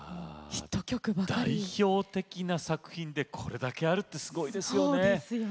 代表的な曲でこれだけあるってすごいですね。